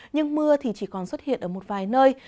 nhưng mưa thì chỉ còn xuất hiện ở một vài nơi